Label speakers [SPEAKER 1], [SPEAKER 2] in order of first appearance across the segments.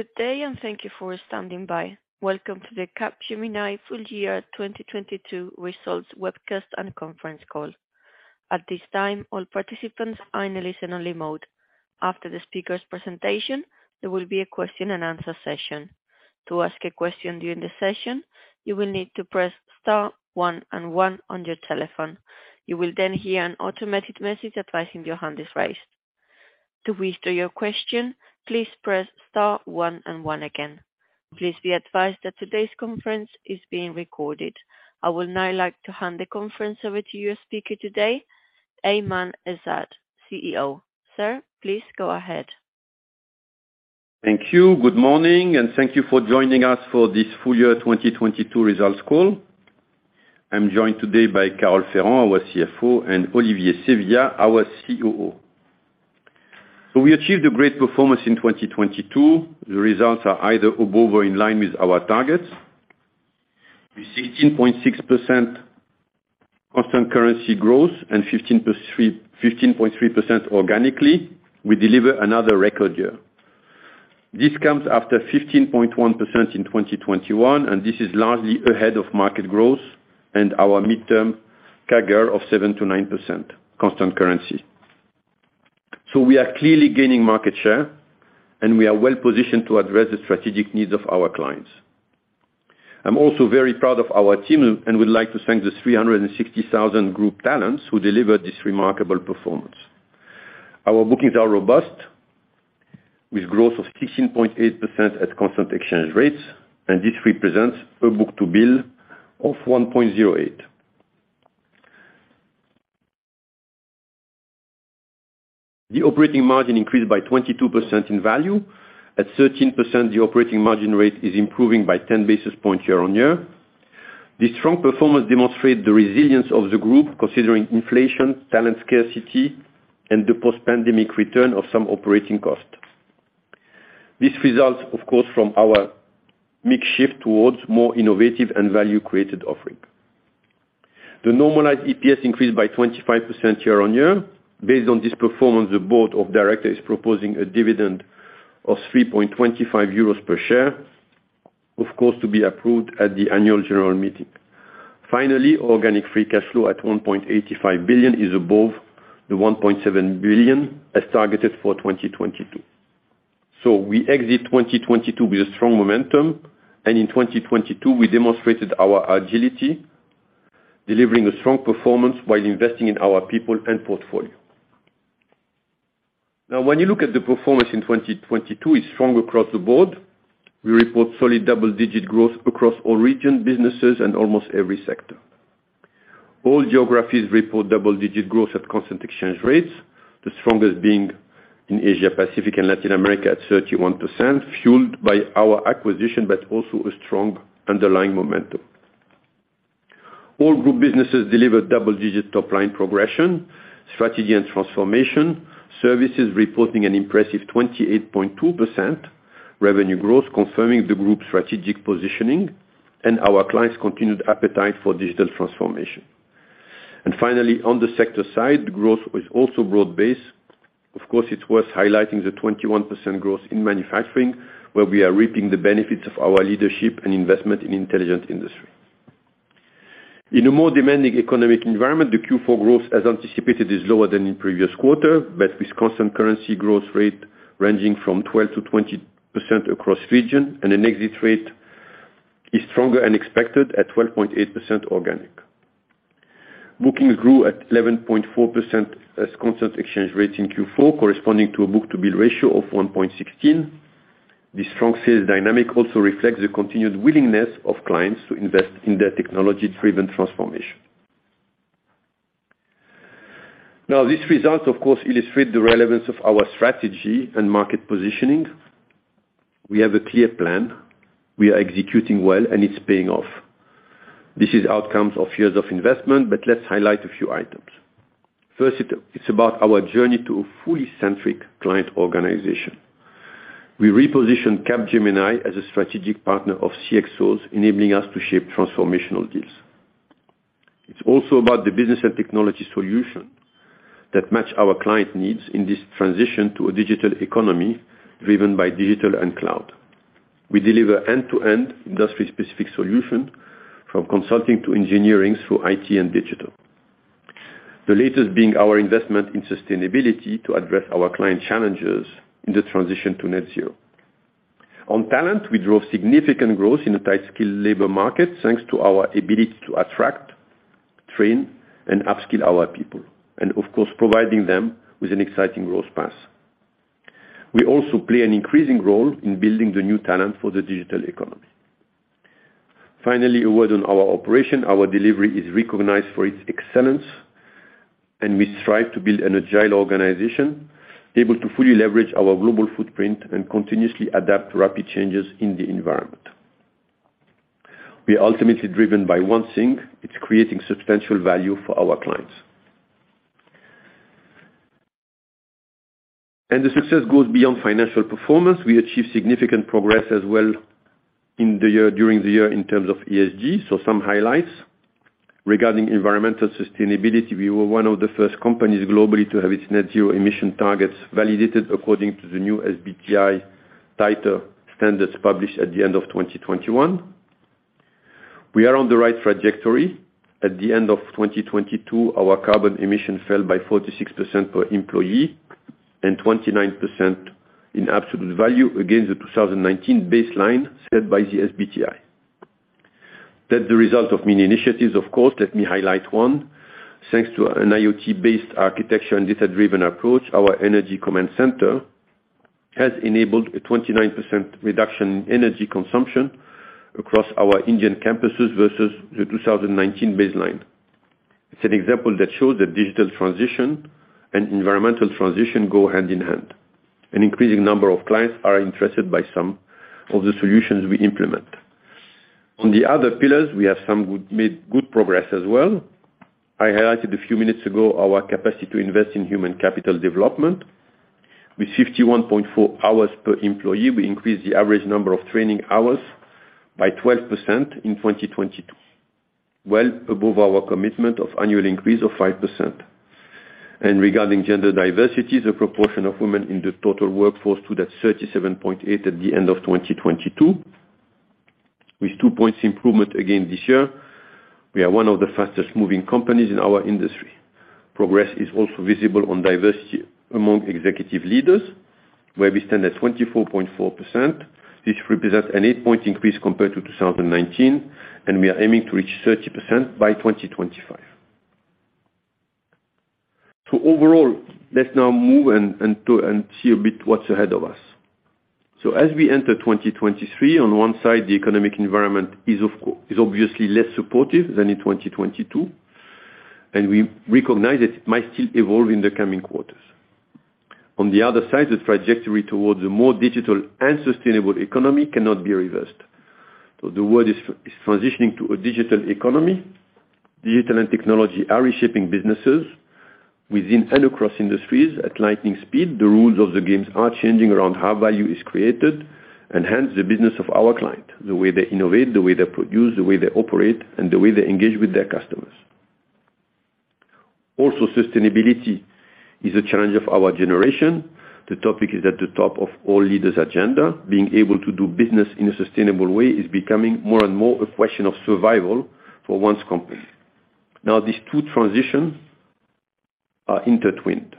[SPEAKER 1] Good day, and thank you for standing by. Welcome to the Capgemini Full Year 2022 Results Webcast and Conference Call. At this time, all participants are in a listen-only mode. After the speaker's presentation, there will be a question-and-answer session. To ask a question during the session, you will need to press star one and one on your telephone. You will then hear an automated message advising your hand is raised. To withdraw your question, please press star one and one again. Please be advised that today's conference is being recorded. I would now like to hand the conference over to your speaker today, Aiman Ezzat, CEO. Sir, please go ahead.
[SPEAKER 2] Thank you. Good morning, and thank you for joining us for this full year 2022 results call. I'm joined today by Carole Ferrand, our CFO, and Olivier Sevillia, our COO. We achieved a great performance in 2022. The results are either above or in line with our targets. With 16.6% constant currency growth and 15.3% organically, we deliver another record year. This comes after 15.1% in 2021, and this is largely ahead of market growth and our midterm CAGR of 7%-9% constant currency. We are clearly gaining market share, and we are well-positioned to address the strategic needs of our clients. I'm also very proud of our team and would like to thank the 360,000 group talents who delivered this remarkable performance. Our bookings are robust, with growth of 16.8% at constant exchange rates. This represents a book-to-bill of 1.08. The operating margin increased by 22% in value. At 13%, the operating margin rate is improving by 10 basis points year-on-year. This strong performance demonstrates the resilience of the group, considering inflation, talent scarcity, and the post-pandemic return of some operating costs. This results, of course, from our mix shift towards more innovative and value-created offering. The normalized EPS increased by 25% year-on-year. Based on this performance, the board of directors is proposing a dividend of 3.25 euros per share, of course, to be approved at the annual general meeting. Organic free cash flow at 1.85 billion is above the 1.7 billion as targeted for 2022. We exit 2022 with a strong momentum, and in 2022 we demonstrated our agility, delivering a strong performance while investing in our people and portfolio. Now, when you look at the performance in 2022, it's strong across the board. We report solid double-digit growth across all region businesses and almost every sector. All geographies report double-digit growth at constant exchange rates, the strongest being in Asia Pacific and Latin America at 31%, fueled by our acquisition, but also a strong underlying momentum. All group businesses deliver double-digit top-line progression. Strategy and Transformation services reporting an impressive 28.2% revenue growth, confirming the group's strategic positioning and our clients' continued appetite for digital transformation. Finally, on the sector side, growth is also broad-based. Of course, it's worth highlighting the 21% growth in manufacturing, where we are reaping the benefits of our leadership and investment in Intelligent Industry. In a more demanding economic environment, the Q4 growth, as anticipated, is lower than the previous quarter. With constant currency growth rate ranging from 12%-20% across region and an exit rate is stronger than expected at 12.8% organic. Bookings grew at 11.4% as constant exchange rates in Q4, corresponding to a book-to-bill ratio of 1.16. This strong sales dynamic also reflects the continued willingness of clients to invest in their technology-driven transformation. These results, of course, illustrate the relevance of our strategy and market positioning. We have a clear plan. We are executing well. It's paying off. This is outcomes of years of investment. Let's highlight a few items. It's about our journey to a fully centric client organization. We reposition Capgemini as a strategic partner of CXOs, enabling us to shape transformational deals. It's also about the business and technology solution that match our client needs in this transition to a digital economy driven by digital and cloud. We deliver end-to-end industry-specific solution from consulting to engineering through IT and digital. The latest being our investment in sustainability to address our client challenges in the transition to net zero. On talent, we drove significant growth in a tight skill labor market, thanks to our ability to attract, train, and upskill our people, and of course, providing them with an exciting growth path. We also play an increasing role in building the new talent for the digital economy. A word on our operation. Our delivery is recognized for its excellence, and we strive to build an agile organization able to fully leverage our global footprint and continuously adapt to rapid changes in the environment. We are ultimately driven by one thing. It's creating substantial value for our clients. The success goes beyond financial performance. We achieve significant progress as well during the year in terms of ESG. Some highlights. Regarding environmental sustainability, we were one of the first companies globally to have its net zero emission targets validated according to the new SBTi tighter standards published at the end of 2021. We are on the right trajectory. At the end of 2022, our carbon emission fell by 46% per employee and 29% in absolute value against the 2019 baseline set by the SBTi. That the result of many initiatives, of course, let me highlight one. Thanks to an IoT-based architecture and data-driven approach, our Energy Command Center has enabled a 29% reduction in energy consumption across our Indian campuses versus the 2019 baseline. It's an example that shows the digital transition and environmental transition go hand in hand. An increasing number of clients are interested by some of the solutions we implement. On the other pillars, we have made good progress as well. I highlighted a few minutes ago our capacity to invest in human capital development. With 51.4 hours per employee, we increased the average number of training hours by 12% in 2022, well above our commitment of annual increase of 5%. Regarding gender diversity, the proportion of women in the total workforce stood at 37.8% at the end of 2022, with 2 points improvement again this year. We are one of the fastest-moving companies in our industry. Progress is also visible on diversity among executive leaders, where we stand at 24.4%. This represents an eight-point increase compared to 2019, and we are aiming to reach 30% by 2025. Overall, let's now move and see a bit what's ahead of us. As we enter 2023, on one side, the economic environment is obviously less supportive than in 2022, and we recognize it might still evolve in the coming quarters. On the other side, the trajectory towards a more digital and sustainable economy cannot be reversed. The world is transitioning to a digital economy. Digital and technology are reshaping businesses within and across industries at lightning speed. The rules of the games are changing around how value is created, and hence the business of our client, the way they innovate, the way they produce, the way they operate, and the way they engage with their customers. Also, sustainability is a challenge of our generation. The topic is at the top of all leaders' agenda. Being able to do business in a sustainable way is becoming more and more a question of survival for one's company. Now, these two transitions are intertwined.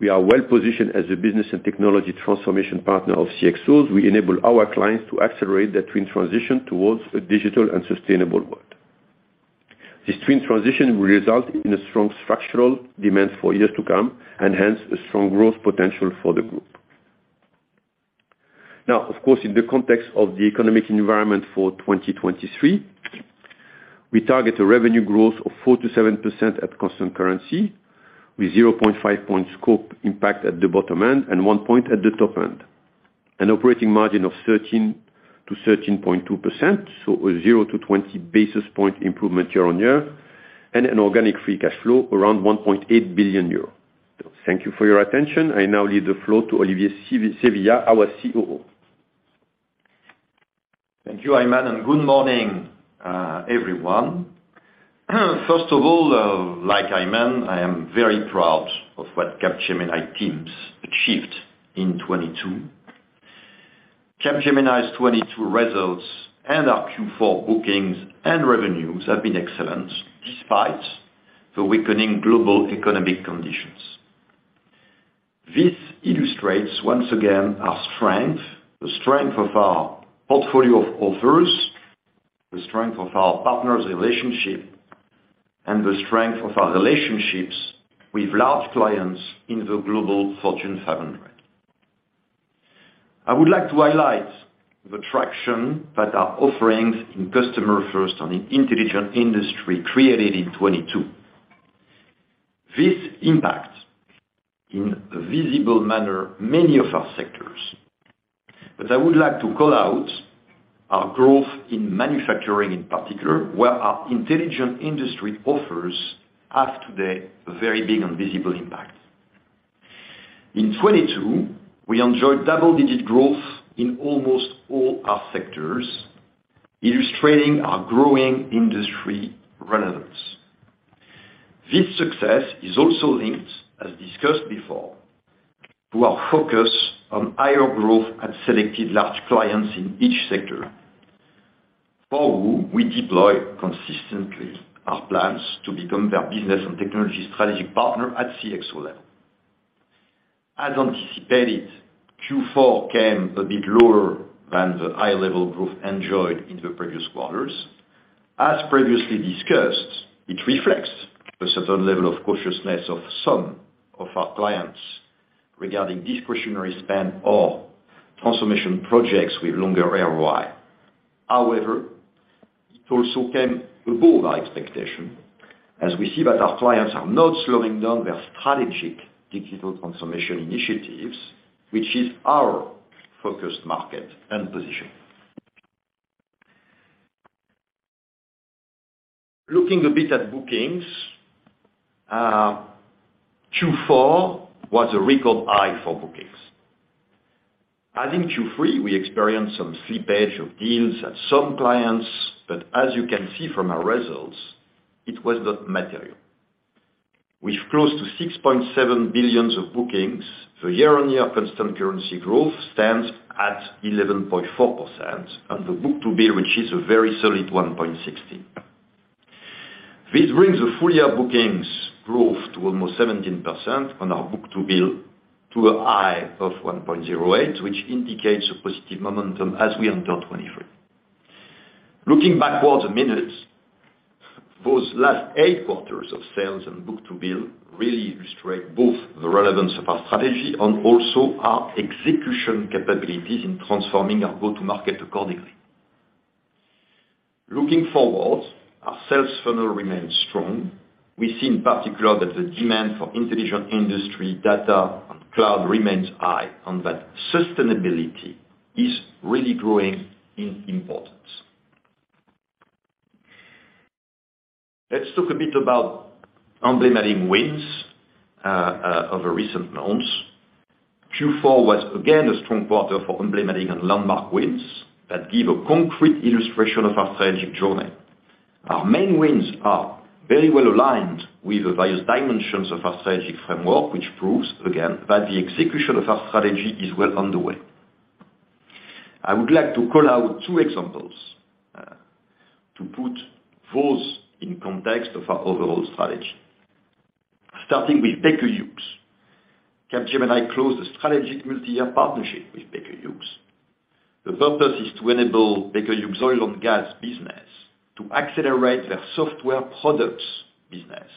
[SPEAKER 2] We are well-positioned as a business and technology transformation partner of CXOs. We enable our clients to accelerate the twin transition towards a digital and sustainable world. This twin transition will result in a strong structural demand for years to come, and hence, a strong growth potential for the group. Of course, in the context of the economic environment for 2023, we target a revenue growth of 4%-7% at constant currency with 0.5 point scope impact at the bottom end and 1 point at the top end. An operating margin of 13%-13.2%, so a 0 to 20 basis point improvement year-on-year, and an organic free cash flow around 1.8 billion euros. Thank you for your attention. I now leave the floor to Olivier Sevillia, our COO.
[SPEAKER 3] Thank you, Aiman, good morning, everyone. First of all, like Aiman, I am very proud of what Capgemini teams achieved in 2022. Capgemini's 2022 results and our Q4 bookings and revenues have been excellent despite the weakening global economic conditions. This illustrates, once again, our strength, the strength of our portfolio of offers, the strength of our partners' relationship, and the strength of our relationships with large clients in the Global Fortune 500. I would like to highlight the traction that our offerings in Customer First on an Intelligent Industry created in 2022. This impacts, in a visible manner, many of our sectors. I would like to call out our growth in manufacturing in particular, where our Intelligent Industry offers have today a very big and visible impact. In 2022, we enjoyed double-digit growth in almost all our sectors, illustrating our growing industry relevance. This success is also linked, as discussed before, to our focus on higher growth at selected large clients in each sector, for whom we deploy consistently our plans to become their business and technology strategy partner at CXO level. As anticipated, Q4 came a bit lower than the high level growth enjoyed in the previous quarters. As previously discussed, it reflects a certain level of cautiousness of some of our clients regarding discretionary spend or transformation projects with longer ROI. It also came above our expectation, as we see that our clients are not slowing down their strategic digital transformation initiatives, which is our focused market and position. Looking a bit at bookings, Q4 was a record high for bookings. As in Q3, we experienced some slippage of deals at some clients, but as you can see from our results, it was not material. With close to 6.7 billion of bookings, the year-on-year constant currency growth stands at 11.4% and the book-to-bill reaches a very solid 1.60. This brings the full year bookings growth to almost 17% on our book-to-bill to a high of 1.08, which indicates a positive momentum as we enter 2023. Looking backwards a minute, those last eight quarters of sales and book-to-bill really illustrate both the relevance of our strategy and also our execution capabilities in transforming our go-to-market accordingly. Looking forward, our sales funnel remains strong. We see in particular that the demand for Intelligent Industry data and cloud remains high, that sustainability is really growing in importance. Let's talk a bit about emblematic wins over recent months. Q4 was again a strong quarter for emblematic and landmark wins that give a concrete illustration of our strategic journey. Our main wins are very well aligned with the various dimensions of our strategic framework, which proves again that the execution of our strategy is well underway. I would like to call out two examples to put those in context of our overall strategy. Starting with Baker Hughes. Capgemini closed a strategic multi-year partnership with Baker Hughes. The purpose is to enable Baker Hughes' oil and gas business to accelerate their software products business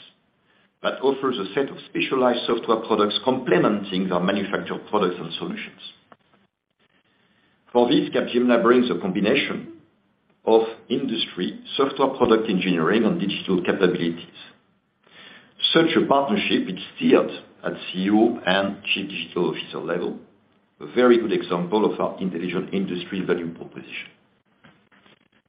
[SPEAKER 3] that offers a set of specialized software products complementing their manufactured products and solutions. For this, Capgemini brings a combination of industry, software product engineering, and digital capabilities. Such a partnership is steered at CEO and chief digital officer level, a very good example of our Intelligent Industry value proposition.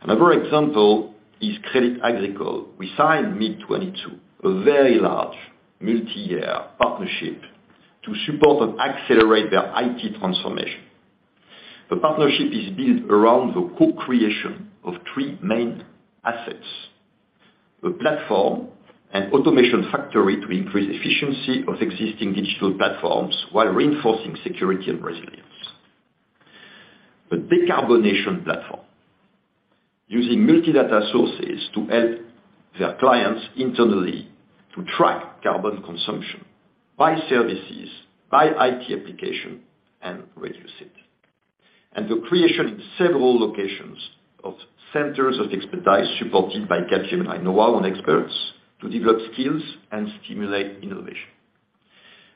[SPEAKER 3] Another example is Crédit Agricole. We signed mid-2022, a very large multi-year partnership to support and accelerate their IT transformation. The partnership is built around the co-creation of three main assets. A platform and automation factory to increase efficiency of existing digital platforms while reinforcing security and resilience. The decarbonization platform, using multi-data sources to help their clients internally to track carbon consumption by services, by IT application, and reduce it. The creation in several locations of centers of expertise supported by Capgemini knowhow and experts to develop skills and stimulate innovation.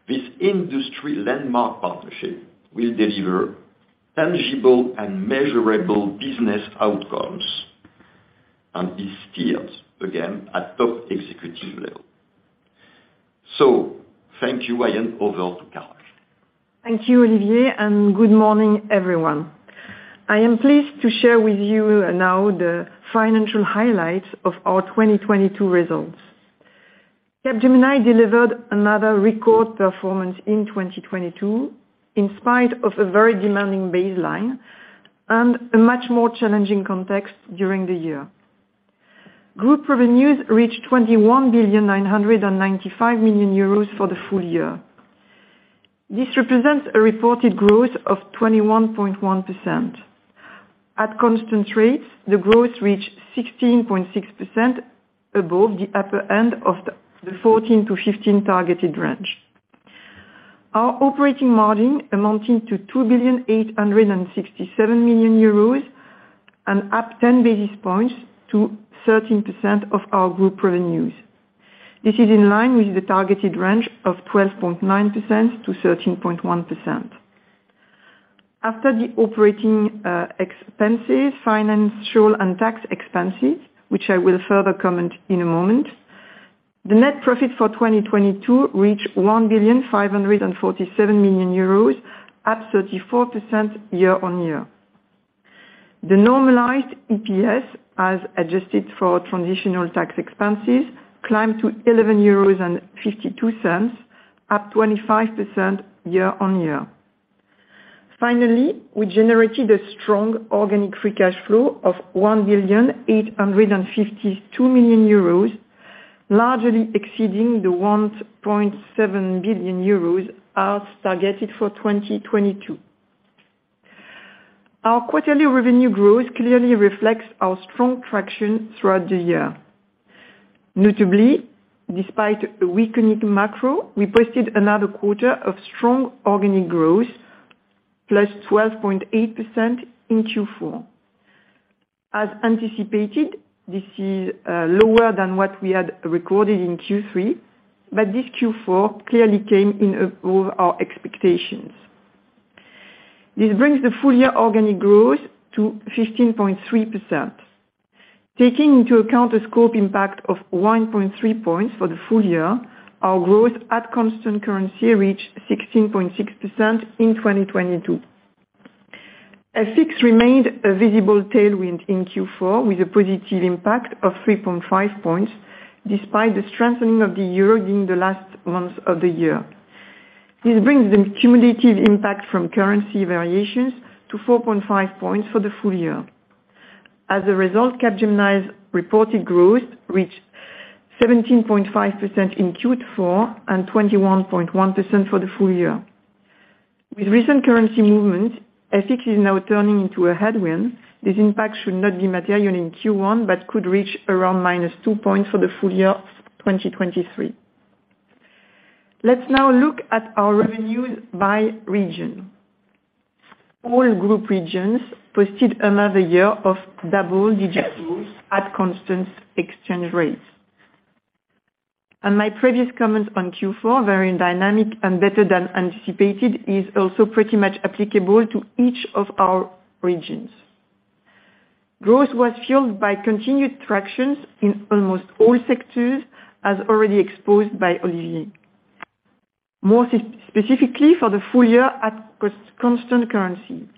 [SPEAKER 3] This industry landmark partnership will deliver tangible and measurable business outcomes and is steered, again, at top executive level. Thank you. I hand over to Carole.
[SPEAKER 4] Thank you, Olivier. Good morning, everyone. I am pleased to share with you now the financial highlights of our 2022 results. Capgemini delivered another record performance in 2022, in spite of a very demanding baseline and a much more challenging context during the year. Group revenues reached 21.995 billion for the full year. This represents a reported growth of 21.1%. At constant rates, the growth reached 16.6% above the upper end of the 14-15 targeted range. Our operating margin amounting to 2.867 billion euros and up 10 basis points to 13% of our group revenues. This is in line with the targeted range of 12.9%-13.1%. After the operating expenses, financial and tax expenses, which I will further comment in a moment, the net profit for 2022 reached 1,547 million euros at 34% year-on-year. The normalized EPS, as adjusted for transitional tax expenses, climbed to 11.52 euros, up 25% year-on-year. Finally, we generated a strong organic free cash flow of 1,852 million euros, largely exceeding 1.7 billion euros as targeted for 2022. Our quarterly revenue growth clearly reflects our strong traction throughout the year. Notably, despite a weakening macro, we posted another quarter of strong organic growth, +12.8% in Q4. As anticipated, this is lower than what we had recorded in Q3, but this Q4 clearly came in above our expectations. This brings the full year organic growth to 15.3%. Taking into account the scope impact of 1.3 points for the full year, our growth at constant currency reached 16.6% in 2022. FX remained a visible tailwind in Q4, with a positive impact of 3.5 points, despite the strengthening of the euro during the last months of the year. This brings the cumulative impact from currency variations to 4.5 points for the full year. As a result, Capgemini's reported growth reached 17.5% in Q4, and 21.1% for the full year. With recent currency movements, FX is now turning into a headwind. This impact should not be material in Q1, but could reach around -2 points for the full year of 2023. Let's now look at our revenues by region. All group regions posted another year of double-digit growth at constant exchange rates. My previous comment on Q4, very dynamic and better than anticipated, is also pretty much applicable to each of our regions. Growth was fueled by continued traction in almost all sectors, as already exposed by Olivier. More specifically for the full year at constant currency.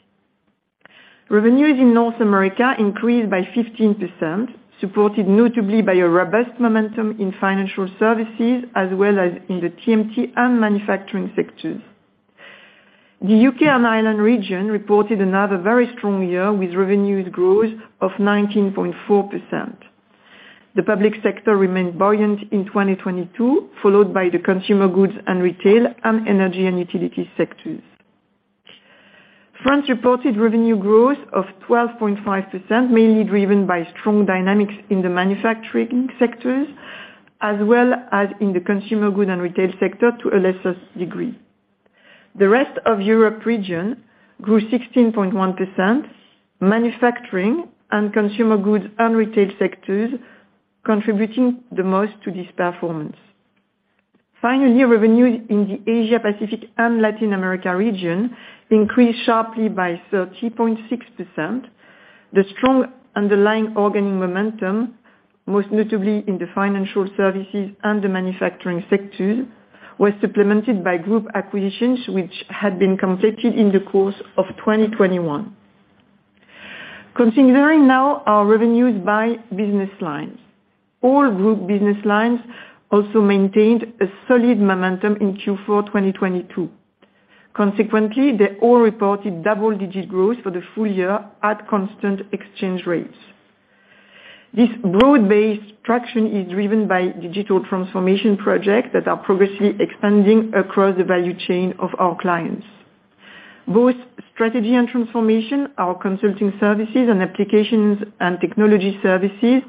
[SPEAKER 4] Revenues in North America increased by 15%, supported notably by a robust momentum in Financial Services, as well as in the TMT and manufacturing sectors. The U.K. and Ireland region reported another very strong year, with revenues growth of 19.4%. The public sector remained buoyant in 2022, followed by the consumer goods and retail and energy and utility sectors. France reported revenue growth of 12.5%, mainly driven by strong dynamics in the manufacturing sectors, as well as in the consumer goods and retail sector to a lesser degree. The rest of Europe region grew 16.1%, manufacturing and consumer goods and retail sectors contributing the most to this performance. Revenue in the Asia-Pacific and Latin America region increased sharply by 30.6%. The strong underlying organic momentum, most notably in the Financial Services and the manufacturing sectors, was supplemented by group acquisitions which had been completed in the course of 2021. Considering now our revenues by business lines. All group business lines also maintained a solid momentum in Q4 2022. They all reported double-digit growth for the full year at constant exchange rates. This broad-based traction is driven by digital transformation projects that are progressively expanding across the value chain of our clients. Both Strategy and Transformation, our consulting services and Applications and Technology services,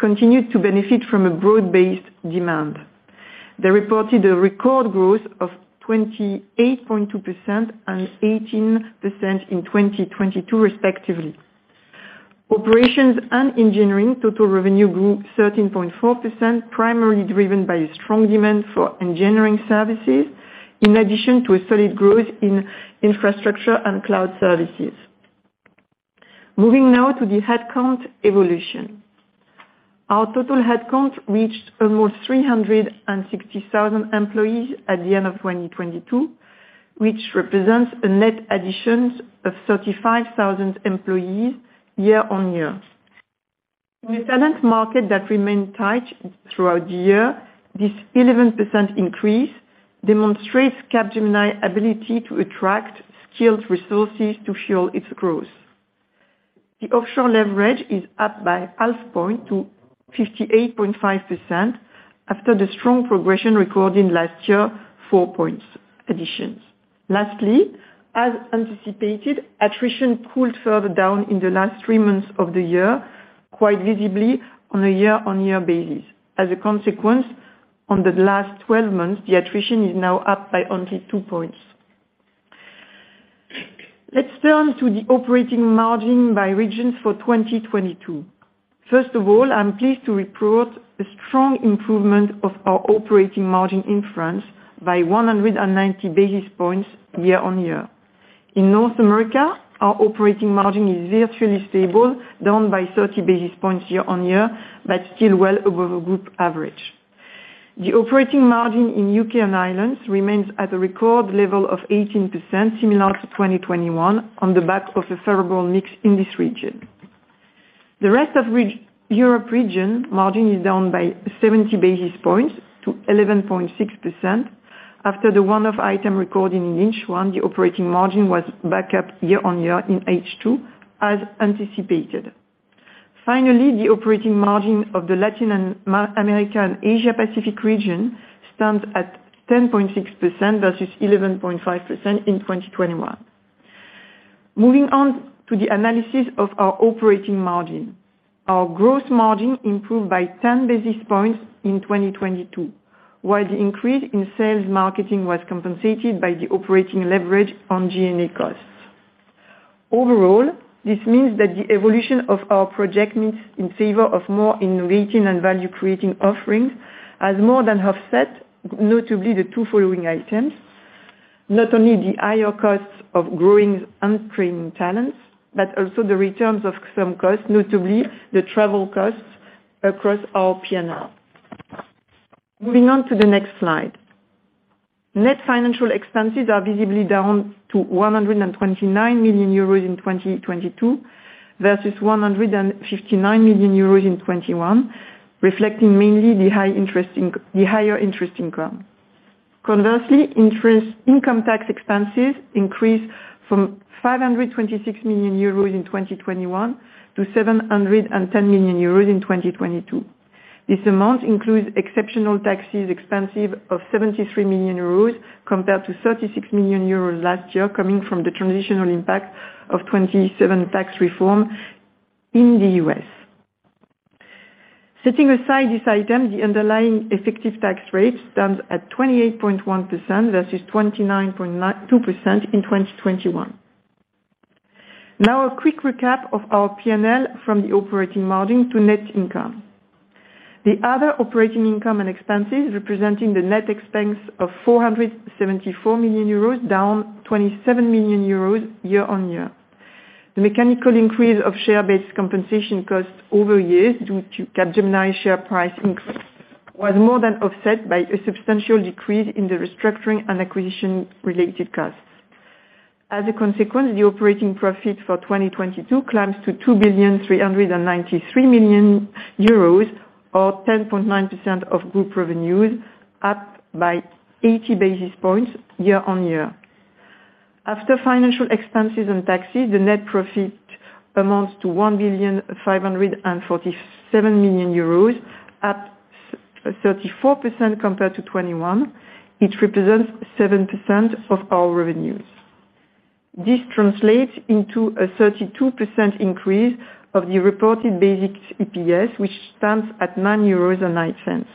[SPEAKER 4] continued to benefit from a broad-based demand. They reported a record growth of 28.2% and 18% in 2022, respectively. Operations & Engineering total revenue grew 13.4%, primarily driven by strong demand for engineering services, in addition to a solid growth in infrastructure and cloud services. Moving now to the headcount evolution. Our total headcount reached almost 360,000 employees at the end of 2022, which represents a net additions of 35,000 employees year-on-year. In a talent market that remained tight throughout the year, this 11% increase demonstrates Capgemini ability to attract skilled resources to fuel its growth. The offshore leverage is up by half point to 58.5% after the strong progression recorded last year, four points additions. Lastly, as anticipated, attrition cooled further down in the last three months of the year, quite visibly on a year-on-year basis. As a consequence, on the last 12 months, the attrition is now up by only two points. Let's turn to the operating margin by region for 2022. First of all, I'm pleased to report a strong improvement of our operating margin in France by 190 basis points year-on-year. In North America, our operating margin is virtually stable, down by 30 basis points year-on-year, but still well above our group average. The operating margin in UK and Ireland remains at a record level of 18%, similar to 2021, on the back of a favorable mix in this region. The rest of Europe region margin is down by 70 basis points to 11.6%. After the one-off item recorded in H1, the operating margin was back up year-on-year in H2, as anticipated. The operating margin of the Latin America and Asia Pacific region stands at 10.6% versus 11.5% in 2021. Moving on to the analysis of our operating margin. Our gross margin improved by 10 basis points in 2022, while the increase in sales marketing was compensated by the operating leverage on G&A costs. This means that the evolution of our project mix in favor of more innovating and value-creating offerings has more than offset notably the two following items. Not only the higher costs of growing and training talents, but also the returns of some costs, notably the travel costs across our P&L. Moving on to the next slide. Net financial expenses are visibly down to 129 million euros in 2022 versus 159 million euros in 2021, reflecting mainly the higher interest income. Conversely, interest income tax expenses increased from 526 million euros in 2021 to 710 million euros in 2022. This amount includes exceptional taxes expensive of 73 million euros compared to 36 million euros last year, coming from the transitional impact of 2017 tax reform in the U.S. Setting aside this item, the underlying effective tax rate stands at 28.1% versus 29.2% in 2021. A quick recap of our PNL from the operating margin to net income. The other operating income and expenses representing the net expense of 474 million euros, down 27 million euros year-on-year. The mechanical increase of share-based compensation costs over years due to Capgemini share price increase was more than offset by a substantial decrease in the restructuring and acquisition related costs. As a consequence, the operating profit for 2022 climbs to 2,393 million euros, or 10.9% of group revenues, up by 80 basis points year-on-year. After financial expenses and taxes, the net profit amounts to 1,547 million euros at 34% compared to 2021. It represents 7% of our revenues. This translates into a 32% increase of the reported basic EPS, which stands at 9.09 euros.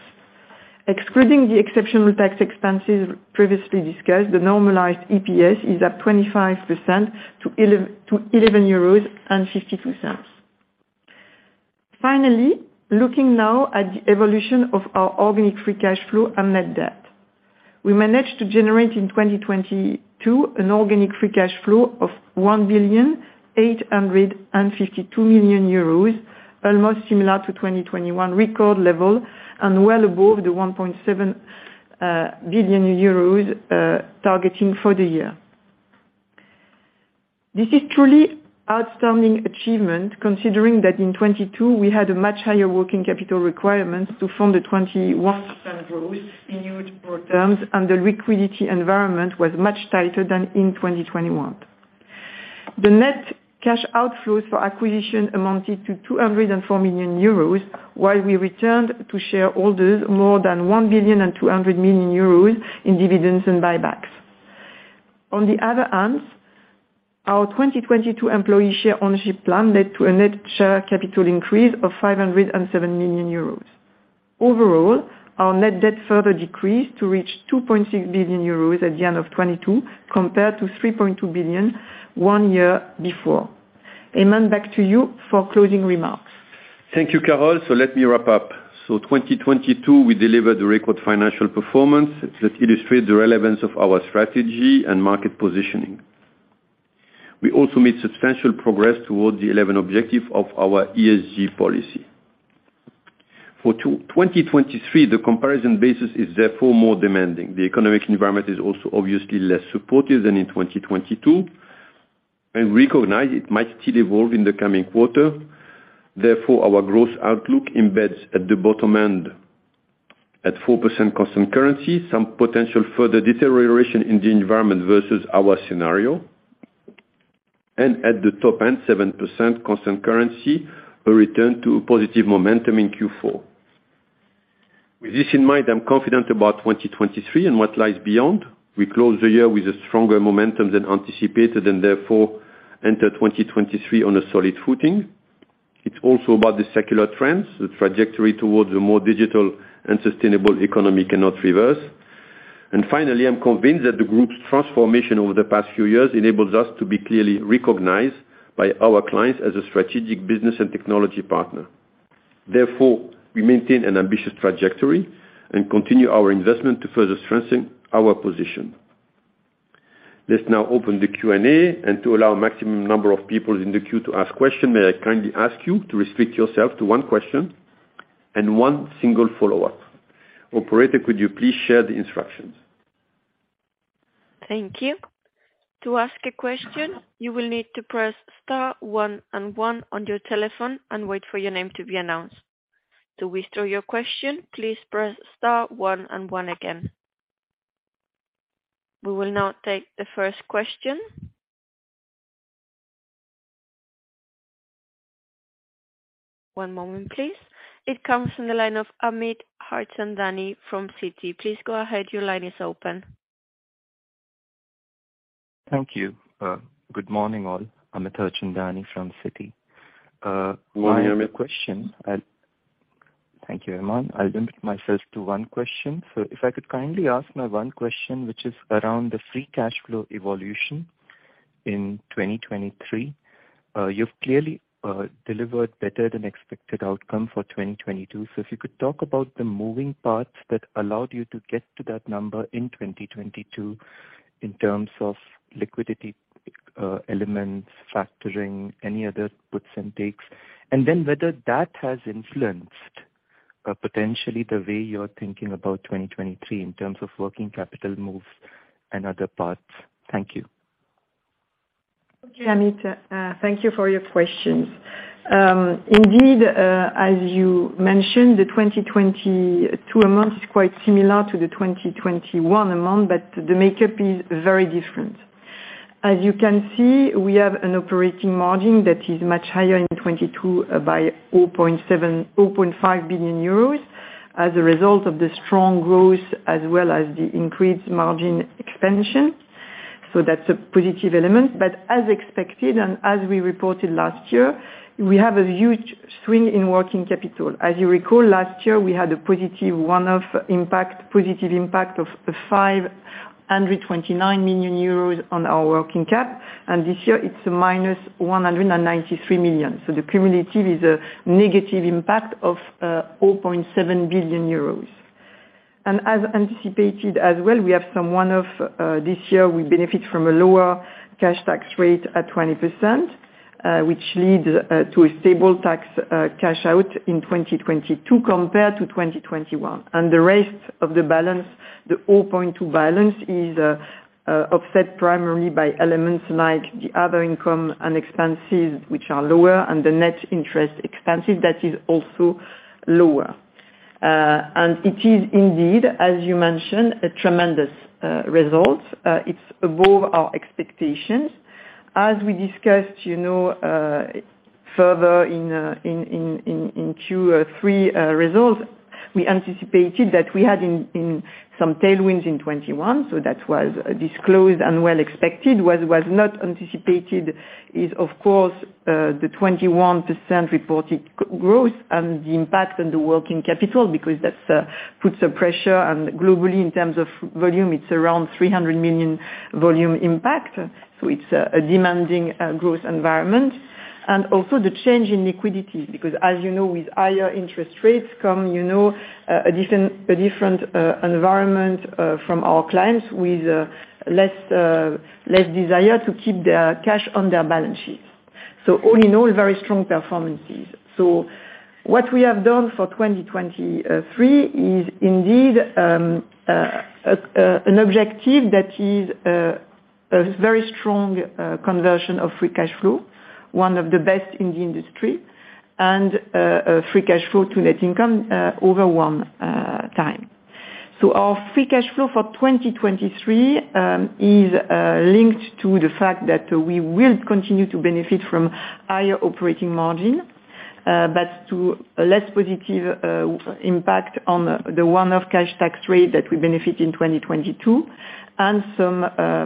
[SPEAKER 4] Excluding the exceptional tax expenses previously discussed, the normalized EPS is at 25% to 11.52 euros. Looking now at the evolution of our organic free cash flow and net debt. We managed to generate in 2022 an organic free cash flow of 1.852 billion, almost similar to 2021 record level and well above the 1.7 billion euros targeting for the year. This is truly outstanding achievement, considering that in 2022 we had a much higher working capital requirement to fund the 21% growth in EUR terms, and the liquidity environment was much tighter than in 2021. The net cash outflows for acquisition amounted to 204 million euros, while we returned to shareholders more than 1.2 billion in dividends and buybacks. On the other hand, our 2022 employee share ownership plan led to a net share capital increase of 507 million euros. Overall, our net debt further decreased to reach 2.6 billion euros at the end of 2022, compared to 3.2 billion one year before. Aiman, back to you for closing remarks.
[SPEAKER 2] Thank you, Carole. Let me wrap up. 2022, we delivered a record financial performance that illustrates the relevance of our strategy and market positioning. We also made substantial progress towards the 11 objective of our ESG policy. For 2023, the comparison basis is therefore more demanding. The economic environment is also obviously less supportive than in 2022, Recognize it might still evolve in the coming quarter. Our growth outlook embeds at the bottom end at 4% constant currency, some potential further deterioration in the environment versus our scenario. At the top end, 7% constant currency, a return to positive momentum in Q4. With this in mind, I'm confident about 2023 and what lies beyond. We close the year with a stronger momentum than anticipated and therefore enter 2023 on a solid footing. It's also about the secular trends, the trajectory towards a more digital and sustainable economy cannot reverse. Finally, I'm convinced that the group's transformation over the past few years enables us to be clearly recognized by our clients as a strategic business and technology partner. Therefore, we maintain an ambitious trajectory and continue our investment to further strengthen our position. Let's now open the Q&A, and to allow maximum number of people in the queue to ask question, may I kindly ask you to restrict yourself to one question and one single follow-up. Operator, could you please share the instructions?
[SPEAKER 1] Thank you. To ask a question, you will need to press star one and one on your telephone and wait for your name to be announced. To withdraw your question, please press star one and one again. We will now take the first question. One moment, please. It comes from the line of Amit Harchandani from Citi. Please go ahead. Your line is open.
[SPEAKER 5] Thank you. Good morning, all. Amit Harchandani from Citi.
[SPEAKER 2] Good morning, Amit.
[SPEAKER 5] Thank you, Aiman. I'll limit myself to one question. If I could kindly ask my one question, which is around the free cash flow evolution in 2023. You've clearly delivered better than expected outcome for 2022. In terms of liquidity, elements, factoring any other puts and takes, and then whether that has influenced, potentially the way you're thinking about 2023 in terms of working capital moves and other parts. Thank you.
[SPEAKER 4] Amit, thank you for your questions. Indeed, as you mentioned, the 2022 amount is quite similar to the 2021 amount, the makeup is very different. As you can see, we have an operating margin that is much higher in 2022 by 0.5 billion euros as a result of the strong growth as well as the increased margin expansion. That's a positive element, as expected and as we reported last year, we have a huge swing in working capital. As you recall, last year, we had a positive one-off impact, positive impact of 529 million euros on our working cap, and this year it's -193 million. The cumulative is a negative impact of 0.7 billion euros. As anticipated as well, we have some one-off, this year we benefit from a lower cash tax rate at 20%, which leads to a stable tax cash-out in 2022 compared to 2021. The rest of the balance, the 0.2 balance is offset primarily by elements like the other income and expenses, which are lower, and the net interest expenses, that is also lower. It is indeed, as you mentioned, a tremendous result. It's above our expectations. As we discussed, you know, further in Q3 results, we anticipated that we had in some tailwinds in 2021, so that was disclosed and well expected. What was not anticipated is of course, the 21% reported growth and the impact on the working capital because that puts a pressure. Globally in terms of volume, it's around 300 million volume impact, it's a demanding growth environment. Also the change in liquidity, because as you know, with higher interest rates come, you know, a different environment from our clients with less desire to keep their cash on their balance sheets. All in all, very strong performances. What we have done for 2023 is indeed an objective that is a very strong conversion of free cash flow, one of the best in the industry, and free cash flow to net income over one time. Our free cash flow for 2023 is linked to the fact that we will continue to benefit from higher operating margin, but to a less positive impact on the one-off cash tax rate that we benefit in 2022, and some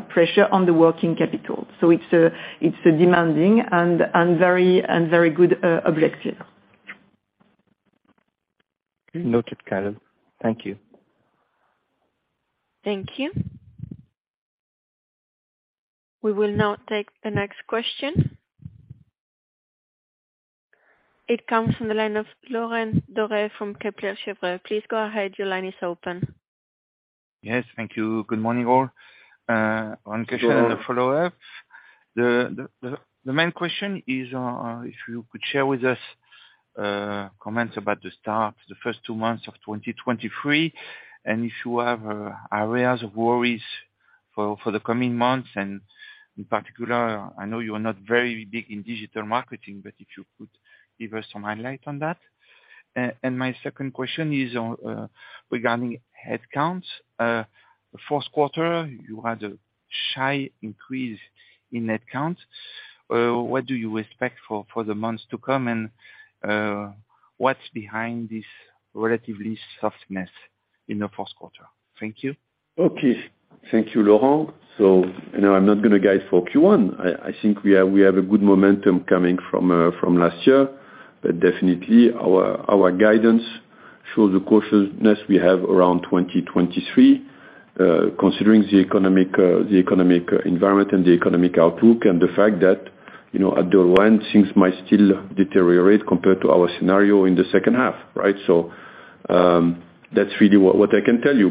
[SPEAKER 4] pressure on the working capital. It's a demanding and very good objective.
[SPEAKER 5] Noted, Carole. Thank you.
[SPEAKER 1] Thank you. We will now take the next question. It comes from the line of Laurent Daure from Kepler Cheuvreux. Please go ahead, your line is open.
[SPEAKER 6] Yes, thank you. Good morning all. one question and a follow-up. The main question is, if you could share with us comments about the start, the first two months of 2023, and if you have areas of worries for the coming months, and in particular, I know you are not very big in digital marketing, but if you could give us some highlight on that. My second question is on, regarding headcount. Q4, you had a shy increase in headcount. What do you expect for the months to come? What's behind this relatively softness in the Q4? Thank you.
[SPEAKER 2] Okay. Thank you, Laurent. You know, I'm not gonna guide for Q1. I think we have a good momentum coming from last year. Definitely our guidance shows the cautiousness we have around 2023, considering the economic environment and the economic outlook and the fact that, you know, at the line things might still deteriorate compared to our scenario in the H2, right? That's really what I can tell you.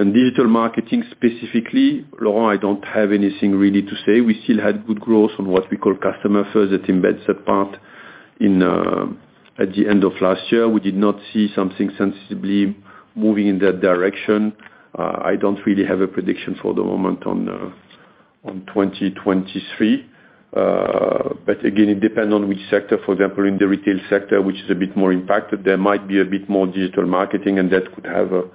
[SPEAKER 2] In digital marketing specifically, Laurent, I don't have anything really to say. We still had good growth on what we call Customer First that embeds that part. In at the end of last year, we did not see something sensibly moving in that direction. I don't really have a prediction for the moment on 2023. Again, it depends on which sector. For example, in the retail sector, which is a bit more impacted, there might be a bit more digital marketing, that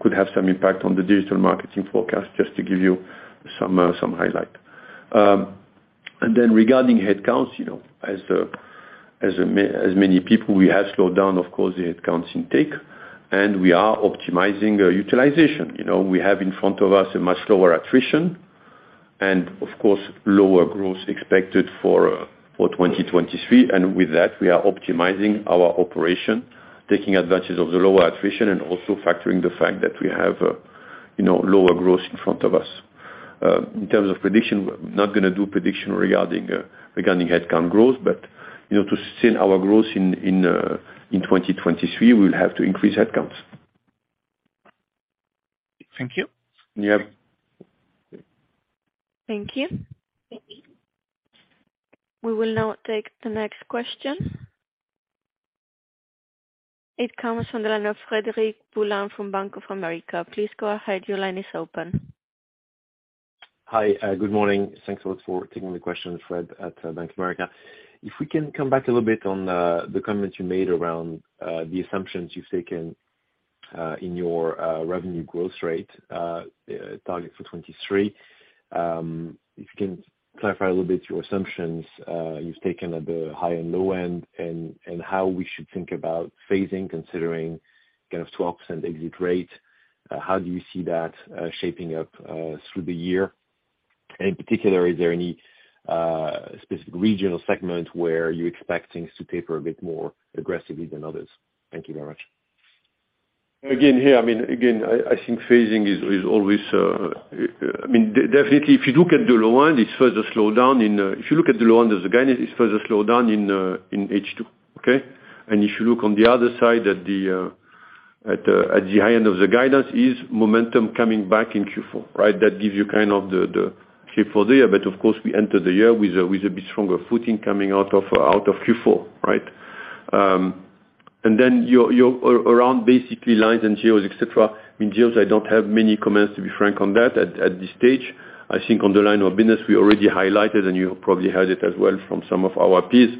[SPEAKER 2] could have some impact on the digital marketing forecast, just to give you some highlight. Regarding headcounts, you know, as many people we have slowed down, of course, the headcounts intake, we are optimizing utilization. You know, we have in front of us a much lower attrition and of course, lower growth expected for 2023, with that, we are optimizing our operation, taking advantage of the lower attrition and also factoring the fact that we have, you know, lower growth in front of us. In terms of prediction, we're not gonna do prediction regarding regarding headcount growth, but, you know, to sustain our growth in 2023, we'll have to increase headcounts.
[SPEAKER 6] Thank you.
[SPEAKER 2] Yeah.
[SPEAKER 1] Thank you. We will now take the next question. It comes from the line of Frédéric Boulan from Bank of America. Please go ahead. Your line is open.
[SPEAKER 7] Hi. Good morning. Thanks a lot for taking the question. Fred at Bank of America. If we can come back a little bit on the comments you made around the assumptions you've taken in your revenue growth rate target for 2023. If you can clarify a little bit your assumptions you've taken at the high and low end and how we should think about phasing considering kind of 12% exit rate, how do you see that shaping up through the year? In particular, is there any specific regional segment where you expect things to taper a bit more aggressively than others? Thank you very much.
[SPEAKER 2] Again, here, I mean, again, I think phasing is always, I mean, definitely, if you look at the low end, it's further slowed down in, if you look at the low end as a guidance, it's further slowed down in H2, okay? If you look on the other side at the high end of the guidance is momentum coming back in Q4, right? That gives you kind of the shape for there. Of course, we enter the year with a bit stronger footing coming out of Q4, right? Then you're around basically lines and geos, et cetera. In geos, I don't have many comments, to be frank, on that at this stage. I think on the line of business, we already highlighted. You probably heard it as well from some of our peers,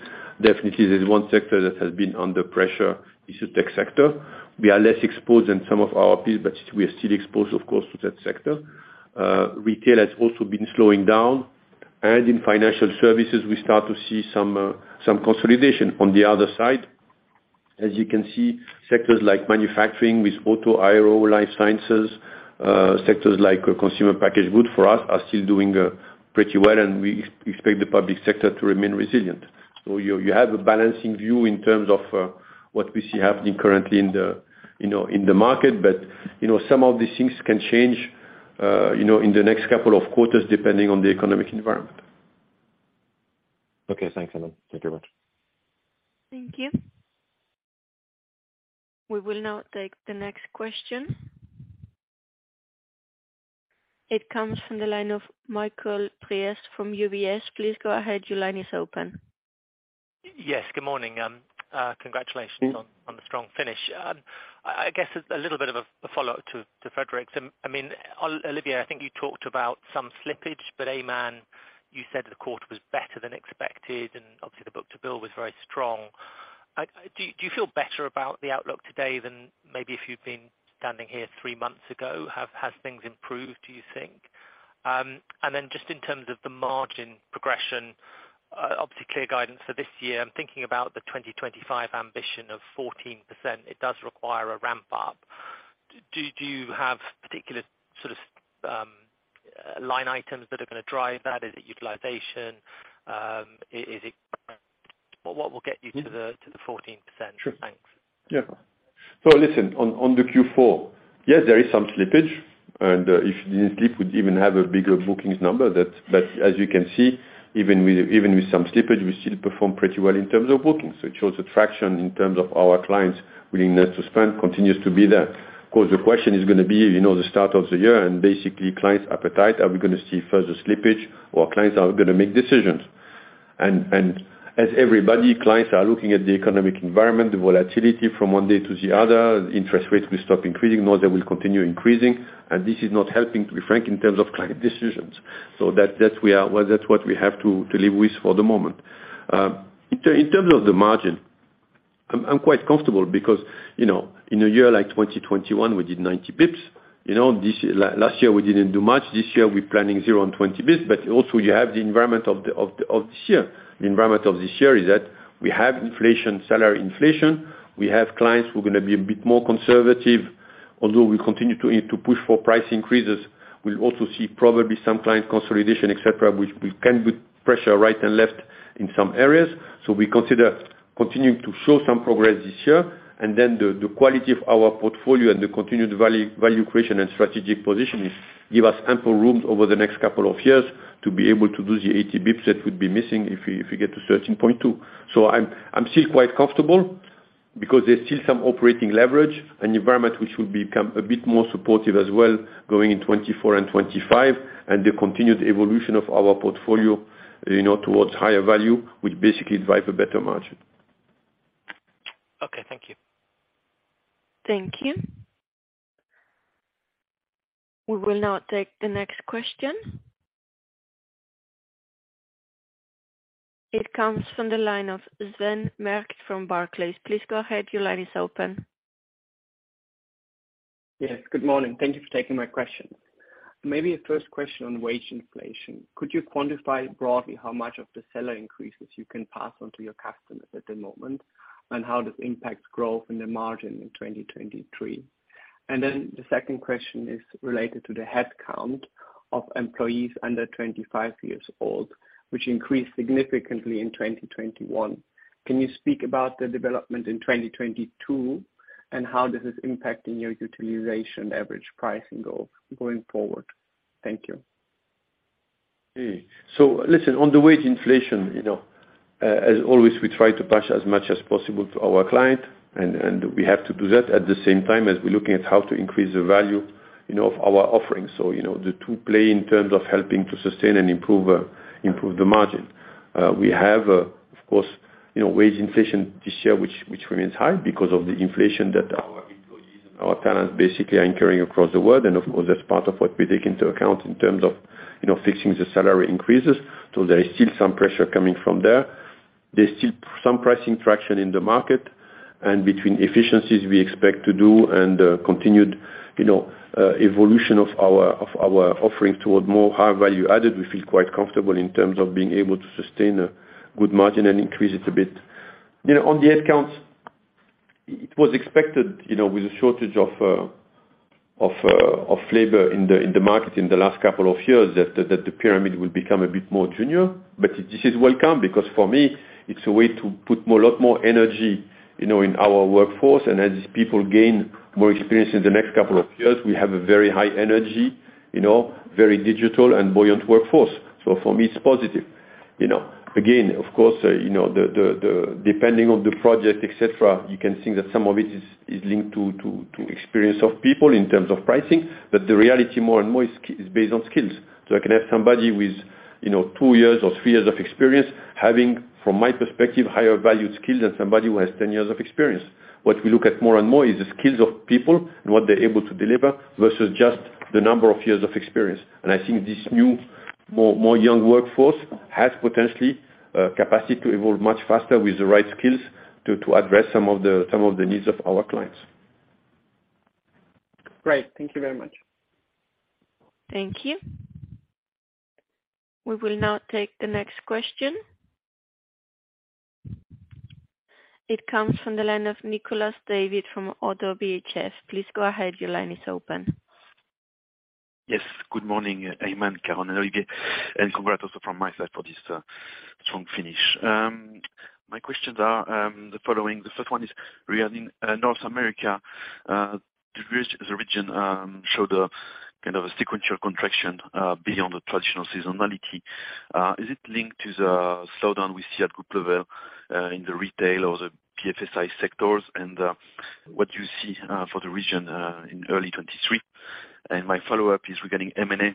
[SPEAKER 2] definitely there's one sector that has been under pressure is the tech sector. We are less exposed than some of our peers, but we are still exposed, of course, to that sector. Retail has also been slowing down. In Financial Services we start to see some consolidation on the other side. As you can see, sectors like manufacturing with auto, aero, life sciences, sectors like consumer packaged goods for us are still doing pretty well, and we expect the public sector to remain resilient. You have a balancing view in terms of what we see happening currently in the, you know, in the market, but, you know, some of these things can change, you know, in the next couple of quarters depending on the economic environment.
[SPEAKER 7] Okay, thanks, Aiman. Thank you very much.
[SPEAKER 1] Thank you. We will now take the next question. It comes from the line of Michael Briest from UBS. Please go ahead. Your line is open.
[SPEAKER 8] Yes, good morning On the strong finish. I guess a little bit of a follow-up to Frédéric's. I mean, Olivier, I think you talked about some slippage. Aiman, you said the quarter was better than expected, obviously the book-to-bill was very strong. Do you feel better about the outlook today than maybe if you'd been standing here three months ago? Has things improved, do you think? Just in terms of the margin progression, obviously clear guidance for this year, I'm thinking about the 2025 ambition of 14%. It does require a ramp up. Do you have particular sort of line items that are gonna drive that? Is it utilization? Is it What will get you to the 14%?
[SPEAKER 2] Sure.
[SPEAKER 8] Thanks.
[SPEAKER 2] Listen, on the Q4, yes, there is some slippage, and if didn't slip, we'd even have a bigger bookings number. As you can see, even with some slippage, we still perform pretty well in terms of bookings, which shows the traction in terms of our clients' willingness to spend continues to be there. Of course, the question is gonna be, you know, the start of the year and basically clients' appetite, are we gonna see further slippage or clients are gonna make decisions? As everybody, clients are looking at the economic environment, the volatility from one day to the other, interest rates will stop increasing, or they will continue increasing. This is not helping, to be frank, in terms of client decisions. That's what we have to live with for the moment. In terms of the margin, I'm quite comfortable because, you know, in a year like 2021, we did 90 basis points. You know, last year we didn't do much. This year we're planning 0 and 20 basis points. Also you have the environment of this year. The environment of this year is that we have inflation, salary inflation. We have clients who are gonna be a bit more conservative. Although we continue to push for price increases, we'll also see probably some client consolidation, et cetera, which we can put pressure right and left in some areas. We consider continuing to show some progress this year. Then the quality of our portfolio and the continued value creation and strategic positioning give us ample rooms over the next couple of years to be able to do the 80 basis points that would be missing if we get to 13.2%. I'm still quite comfortable because there's still some operating leverage, an environment which will become a bit more supportive as well going in 2024 and 2025, and the continued evolution of our portfolio, you know, towards higher value, which basically drive a better margin.
[SPEAKER 8] Okay, thank you.
[SPEAKER 1] Thank you. We will now take the next question. It comes from the line of Sven Merkt from Barclays. Please go ahead. Your line is open.
[SPEAKER 9] Yes, good morning. Thank you for taking my question. Maybe a first question on wage inflation. Could you quantify broadly how much of the salary increases you can pass on to your customers at the moment? How this impacts growth in the margin in 2023. The second question is related to the headcount of employees under 25 years old, which increased significantly in 2021. Can you speak about the development in 2022? How this is impacting your utilization average pricing goal going forward. Thank you.
[SPEAKER 2] Listen, on the wage inflation, you know, as always, we try to pass as much as possible to our client, and we have to do that at the same time as we're looking at how to increase the value, you know, of our offerings. You know, the two play in terms of helping to sustain and improve the margin. We have, of course, you know, wage inflation this year, which remains high because of the inflation that our employees and our talents basically are incurring across the world. Of course, that's part of what we take into account in terms of, you know, fixing the salary increases. There is still some pressure coming from there. There's still some pricing traction in the market and between efficiencies we expect to do and continued, you know, evolution of our, of our offerings toward more high value added. We feel quite comfortable in terms of being able to sustain a good margin and increase it a bit. You know, on the headcounts, it was expected, you know, with the shortage of labor in the market in the last couple of years, that the pyramid will become a bit more junior. This is welcome because for me, it's a way to put a lot more energy, you know, in our workforce. As people gain more experience in the next couple of years, we have a very high energy, you know, very digital and buoyant workforce. For me, it's positive. You know. Again, of course, you know, the depending on the project, et cetera, you can think that some of it is linked to experience of people in terms of pricing. The reality more and more is based on skills. I can have somebody with, you know, two years or three years of experience having, from my perspective, higher valued skills than somebody who has 10 years of experience. What we look at more and more is the skills of people and what they're able to deliver versus just the number of years of experience. I think this new, more young workforce has potentially capacity to evolve much faster with the right skills to address some of the needs of our clients.
[SPEAKER 9] Great. Thank you very much.
[SPEAKER 1] Thank you. We will now take the next question. It comes from the line of Nicolas David from Oddo BHF. Please go ahead. Your line is open.
[SPEAKER 10] Yes. Good morning, Aiman, Carole and Olivier, congrats also from my side for this strong finish. My questions are the following. The first one is regarding North America. The region showed a kind of a sequential contraction beyond the traditional seasonality. Is it linked to the slowdown we see at group level in the retail or the PFSI sectors? What do you see for the region in early 2023? My follow-up is regarding M&A.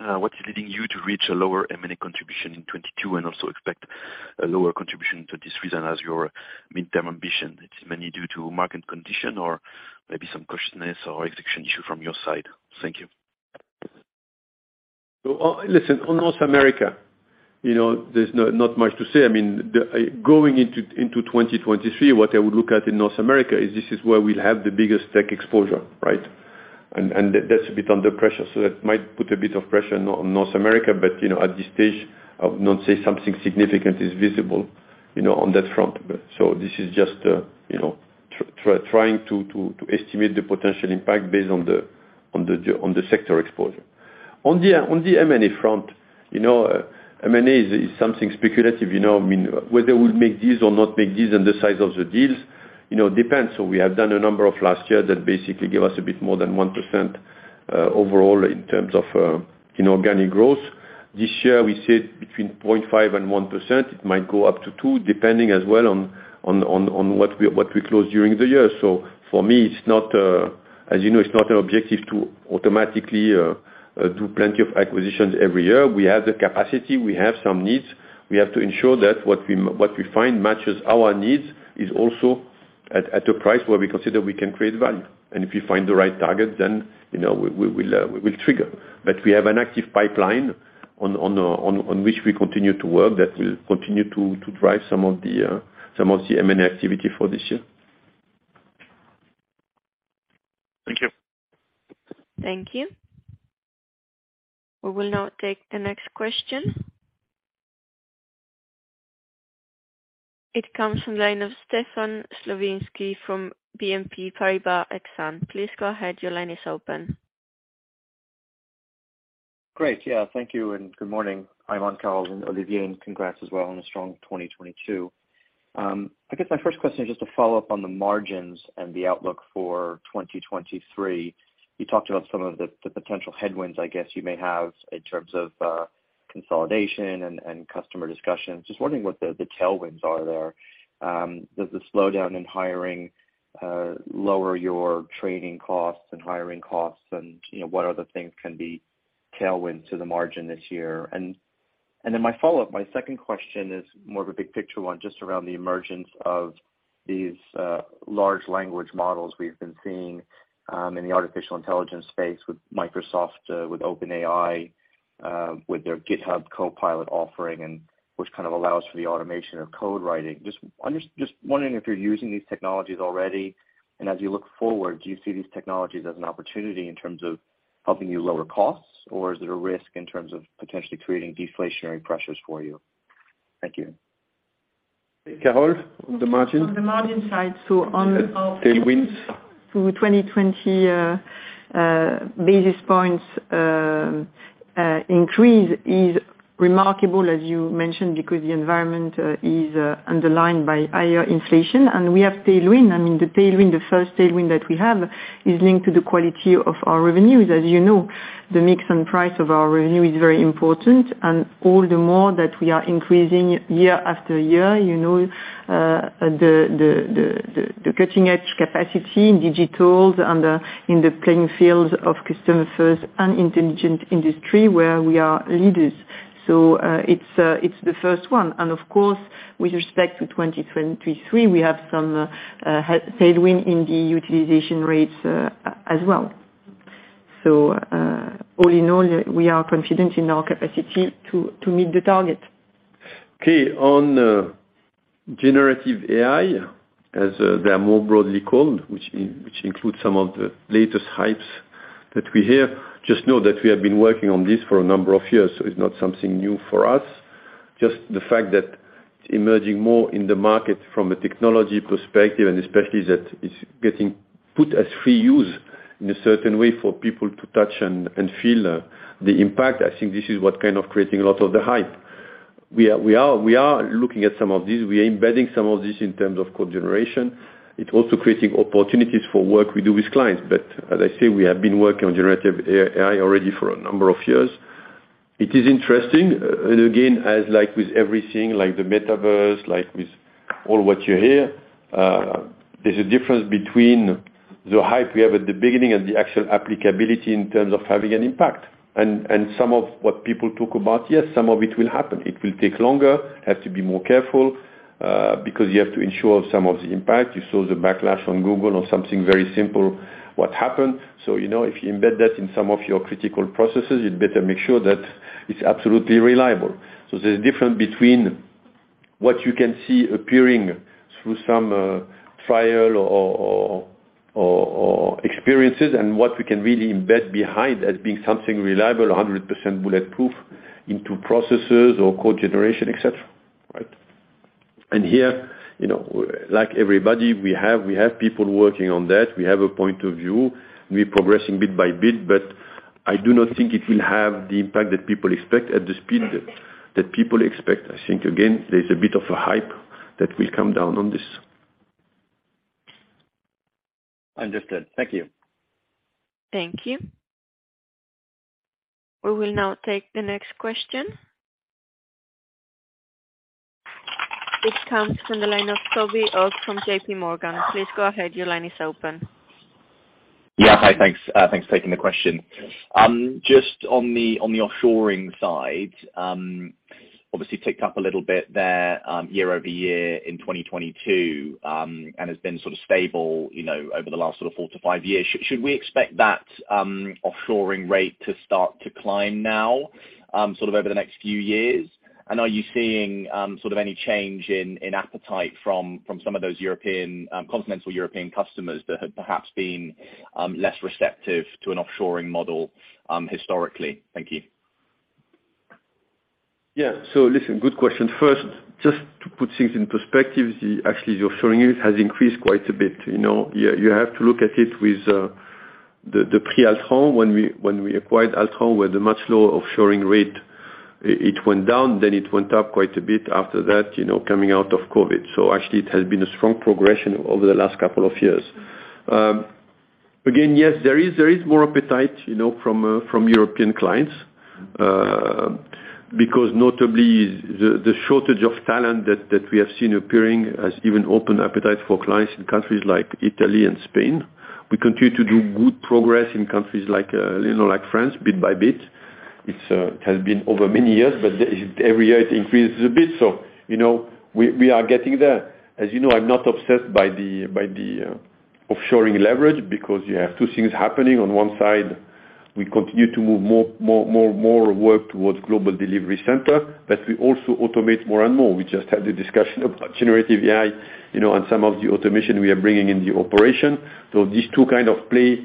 [SPEAKER 10] What is leading you to reach a lower M&A contribution in 2022 and also expect a lower contribution to this reason as your midterm ambition? It's mainly due to market condition or maybe some cautiousness or execution issue from your side. Thank you.
[SPEAKER 2] Listen, on North America, you know, there's not much to say. I mean, going into 2023, what I would look at in North America is this is where we'll have the biggest tech exposure, right? That's a bit under pressure. That might put a bit of pressure on North America. You know, at this stage, I would not say something significant is visible, you know, on that front. This is just, you know, trying to estimate the potential impact based on the sector exposure. On the M&A front, you know, M&A is something speculative, you know. I mean, whether we'll make deals or not make deals and the size of the deals, you know, depends. We have done a number of last year that basically gave us a bit more than 1% overall in terms of inorganic growth. This year we said between 0.5 and 1%. It might go up to 2, depending as well on what we close during the year. For me, it's not, as you know, it's not an objective to automatically do plenty of acquisitions every year. We have the capacity, we have some needs. We have to ensure that what we find matches our needs is also at a price where we consider we can create value. If we find the right target, you know, we'll trigger. We have an active pipeline on which we continue to work that will continue to drive some of the M&A activity for this year.
[SPEAKER 10] Thank you.
[SPEAKER 1] Thank you. We will now take the next question. It comes from line of Stefan Slowinski from BNP Paribas Exane. Please go ahead. Your line is open.
[SPEAKER 11] Great. Yeah. Thank you and good morning, Aiman, Carole and Olivier, and congrats as well on a strong 2022. I guess my first question is just a follow-up on the margins and the outlook for 2023. You talked about some of the potential headwinds I guess you may have in terms of consolidation and customer discussions. Just wondering what the tailwinds are there. Does the slowdown in hiring lower your training costs and hiring costs and, you know, what other things can be tailwind to the margin this year? Then my follow-up, my second question is more of a big picture one, just around the emergence of these large language models we've been seeing in the artificial intelligence space with Microsoft, with OpenAI, with their GitHub Copilot offering and which kind of allows for the automation of code writing. Just wondering if you're using these technologies already. As you look forward, do you see these technologies as an opportunity in terms of helping you lower costs, or is it a risk in terms of potentially creating deflationary pressures for you? Thank you.
[SPEAKER 2] Carole, the margin.
[SPEAKER 4] On the margin side.
[SPEAKER 2] Tailwinds
[SPEAKER 12] To 20 basis points increase is remarkable, as you mentioned, because the environment is underlined by higher inflation and we have tailwind. I mean, the first tailwind that we have is linked to the quality of our revenues. As you know, the mix and price of our revenue is very important, all the more that we are increasing year after year. You know, the cutting-edge capacity in digitals and in the playing fields of Customer First and Intelligent Industry where we are leaders. It's the first one, of course, with respect to 2023, we have some tailwind in the utilization rates as well. All in all, we are confident in our capacity to meet the target.
[SPEAKER 2] Okay. On generative AI, as they are more broadly called, which includes some of the latest hypes that we hear. Just know that we have been working on this for a number of years, so it's not something new for us. Just the fact that it's emerging more in the market from a technology perspective, and especially that it's getting put as free use in a certain way for people to touch and feel the impact. I think this is what kind of creating a lot of the hype. We are looking at some of these. We are embedding some of these in terms of code generation. It's also creating opportunities for work we do with clients. As I say, we have been working on generative AI already for a number of years. It is interesting, and again, as like with everything, like the metaverse, like with all what you hear, there's a difference between the hype we have at the beginning and the actual applicability in terms of having an impact. Some of what people talk about, yes, some of it will happen. It will take longer, has to be more careful, because you have to ensure some of the impact. You saw the backlash on Google on something very simple, what happened. You know, if you embed that in some of your critical processes, you'd better make sure that it's absolutely reliable. There's a difference between what you can see appearing through some trial or experiences and what we can really embed behind as being something reliable, 100% bulletproof into processes or code generation, et cetera. Right? Here, you know, like everybody, we have people working on that. We have a point of view. We're progressing bit by bit, but I do not think it will have the impact that people expect at the speed that people expect. I think, again, there's a bit of a hype that will come down on this.
[SPEAKER 11] Understood. Thank you.
[SPEAKER 1] Thank you. We will now take the next question. This comes from the line of Toby Ogg from J.P. Morgan. Please go ahead. Your line is open.
[SPEAKER 13] Yeah. Hi, thanks. Thanks for taking the question. Just on the, on the offshoring side, obviously ticked up a little bit there, year-over-year in 2022, and has been sort of stable, you know, over the last sort of four to five years. Should we expect that offshoring rate to start to climb now, sort of over the next few years? And are you seeing, sort of any change in appetite from some of those European, continental European customers that have perhaps been, less receptive to an offshoring model, historically? Thank you.
[SPEAKER 2] Yeah. Listen, good question. First, just to put things in perspective, actually, the offshoring rate has increased quite a bit. You know, you have to look at it with the pre Altran when we acquired Altran with a much lower offshoring rate. It went down, it went up quite a bit after that, you know, coming out of COVID. Actually it has been a strong progression over the last couple of years. Again, yes, there is more appetite, you know, from European clients. Because notably the shortage of talent that we have seen appearing has even opened appetite for clients in countries like Italy and Spain. We continue to do good progress in countries like, you know, like France bit by bit. It's has been over many years, but every year it increases a bit, so, you know, we are getting there. As you know, I'm not obsessed by the, by the offshoring leverage because you have two things happening. On one side, we continue to move more, more, more, more work towards global delivery center, but we also automate more and more. We just had the discussion about generative AI, you know, and some of the automation we are bringing in the operation. These two kind of play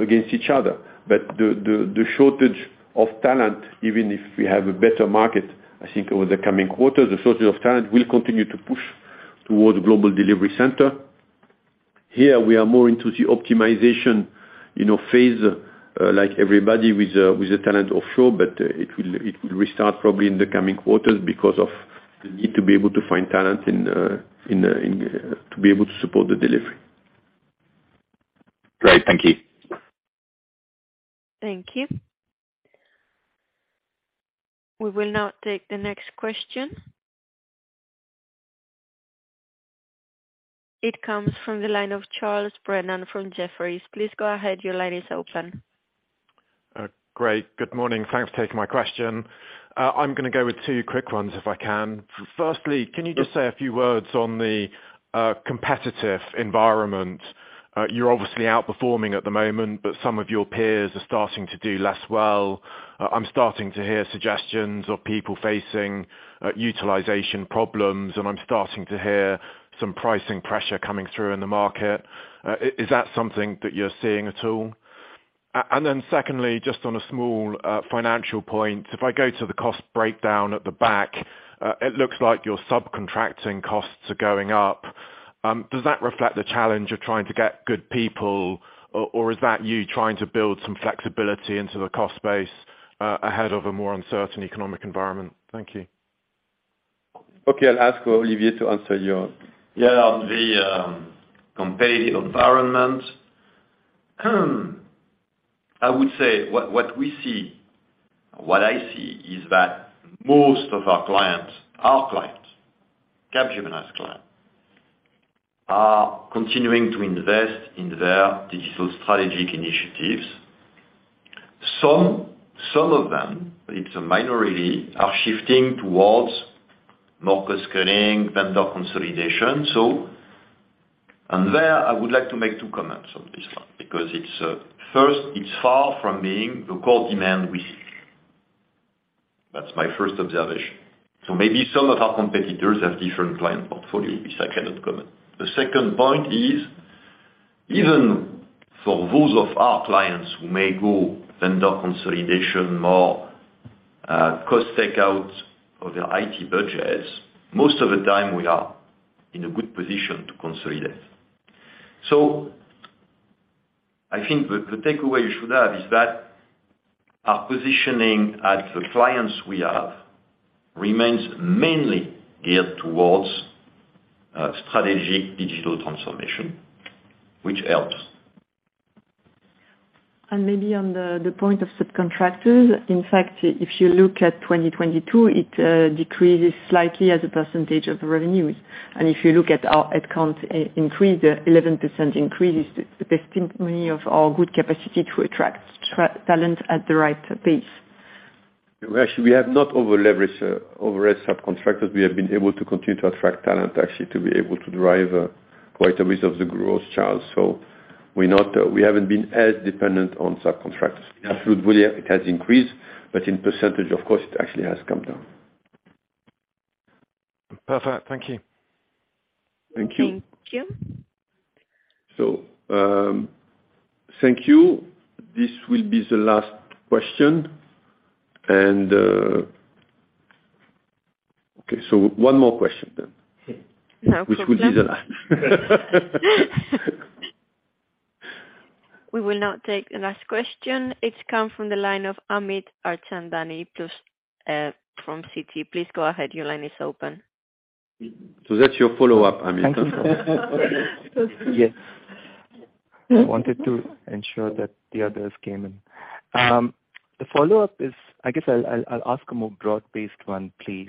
[SPEAKER 2] against each other. The, the shortage of talent, even if we have a better market, I think over the coming quarters, the shortage of talent will continue to push towards global delivery center. Here we are more into the optimization, you know, phase, like everybody with a, with a talent offshore. It will restart probably in the coming quarters because of the need to be able to find talent in to be able to support the delivery.
[SPEAKER 13] Great. Thank you.
[SPEAKER 1] Thank you. We will now take the next question. It comes from the line of Charles Brennan from Jefferies. Please go ahead. Your line is open.
[SPEAKER 12] Great. Good morning. Thanks for taking my question. I'm gonna go with two quick ones if I can. Firstly, can you just say a few words on the competitive environment? You're obviously outperforming at the moment, but some of your peers are starting to do less well. I'm starting to hear suggestions of people facing utilization problems, and I'm starting to hear some pricing pressure coming through in the market. Is that something that you're seeing at all? Then secondly, just on a small financial point. If I go to the cost breakdown at the back, it looks like your subcontracting costs are going up. Does that reflect the challenge of trying to get good people, or is that you trying to build some flexibility into the cost base, ahead of a more uncertain economic environment? Thank you.
[SPEAKER 2] Okay. I'll ask Olivier to answer. The competitive environment. I would say what we see, what I see is that most of our clients, Capgemini's client, are continuing to invest in their digital strategic initiatives. Some of them, it's a minority, are shifting towards more cost cutting, vendor consolidation. There, I would like to make two comments on this one because it's first, it's far from being the core demand we seek. That's my first observation. Maybe some of our competitors have different client portfolio. This I cannot comment. The second point is, even for those of our clients who may go vendor consolidation, more cost takeout of their IT budgets, most of the time we are in a good position to consolidate. I think the takeaway you should have is that our positioning at the clients we have remains mainly geared towards strategic digital transformation, which helps.
[SPEAKER 3] Maybe on the point of subcontractors. In fact, if you look at 2022, it decreases slightly as a percentage of revenue. If you look at our head count increase, 11% increase is the testimony of our good capacity to attract talent at the right pace.
[SPEAKER 2] Actually, we have not over leveraged over subcontractors. We have been able to continue to attract talent actually to be able to drive quite a bit of the growth, Charles. We're not, we haven't been as dependent on subcontractors. In absolute volume it has increased, but in %, of course, it actually has come down.
[SPEAKER 12] Perfect. Thank you.
[SPEAKER 2] Thank you.
[SPEAKER 1] Thank you.
[SPEAKER 2] Thank you. This will be the last question. Okay. One more question then.
[SPEAKER 1] No problem.
[SPEAKER 2] Which will be the last.
[SPEAKER 1] We will now take the last question. It's come from the line of Amit Harchandani, plus, from Citi. Please go ahead. Your line is open.
[SPEAKER 2] That's your follow-up, Amit.
[SPEAKER 5] Yes. I wanted to ensure that the others came in. The follow-up is... I guess I'll ask a more broad-based one, please.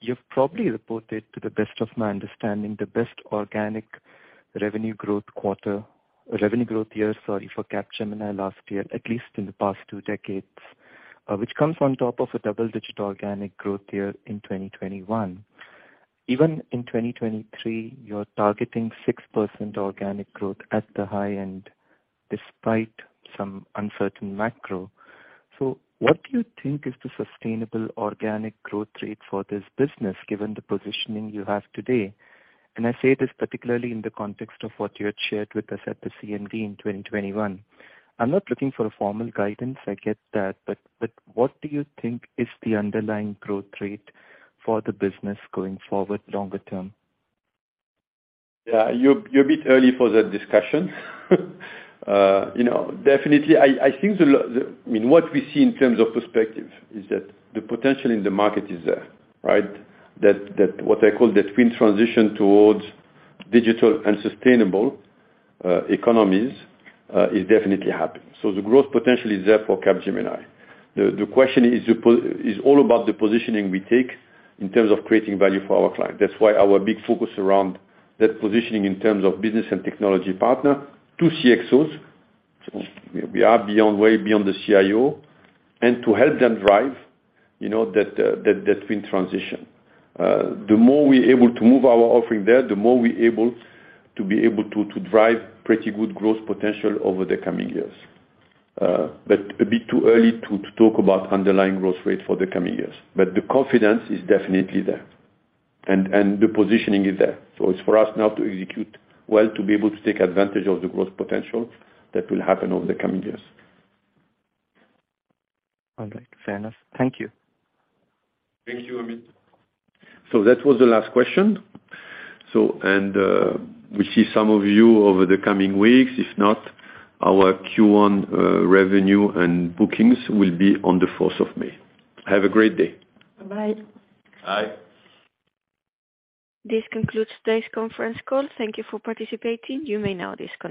[SPEAKER 5] You've probably reported, to the best of my understanding, the best organic revenue growth quarter, revenue growth year, sorry, for Capgemini last year, at least in the past two decades. Which comes on top of a double-digit organic growth year in 2021. Even in 2023, you're targeting 6% organic growth at the high end despite some uncertain macro. What do you think is the sustainable organic growth rate for this business, given the positioning you have today? I say this particularly in the context of what you had shared with us at the CMD in 2021. I'm not looking for a formal guidance, I get that, but what do you think is the underlying growth rate for the business going forward longer term?
[SPEAKER 2] Yeah, you're a bit early for that discussion. you know, definitely I think the... I mean, what we see in terms of perspective is that the potential in the market is there, right? That what I call the twin transition towards digital and sustainable economies is definitely happening. The growth potential is there for Capgemini. The question is all about the positioning we take in terms of creating value for our client. That's why our big focus around that positioning in terms of business and technology partner to CXOs. We are beyond, way beyond the CIO. To help them drive, you know, that twin transition. The more we're able to move our offering there, the more we're able to drive pretty good growth potential over the coming years. A bit too early to talk about underlying growth rate for the coming years. The confidence is definitely there and the positioning is there. It's for us now to execute well to be able to take advantage of the growth potential that will happen over the coming years.
[SPEAKER 5] All right. Fair enough. Thank you.
[SPEAKER 2] Thank you, Amit. That was the last question. We see some of you over the coming weeks. If not, our Q1 revenue and bookings will be on the fourth of May. Have a great day.
[SPEAKER 3] Bye.
[SPEAKER 2] Bye.
[SPEAKER 1] This concludes today's conference call. Thank you for participating. You may now disconnect.